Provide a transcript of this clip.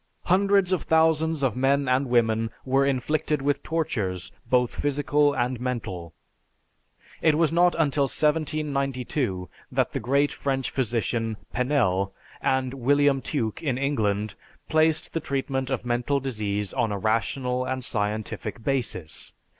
Hundreds of thousands of men and women were inflicted with tortures both physical and mental. It was not until 1792 that the great French physician Penel, and William Tuke in England, placed the treatment of mental disease on a rational and scientific basis.